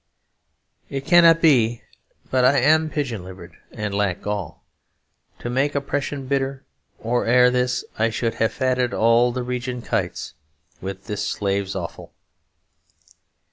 It cannot be But I am pigeon livered and lack gall To make oppression bitter; or 'ere this I should have fatted all the region kites With this slave's offal.